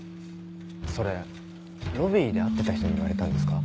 それロビーで会ってた人に言われたんですか？